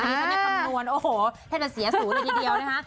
นี่ฉันจะคำนวณโอ้โหเท่าที่มันเสียสูตรเลยทีเดียวนะคะ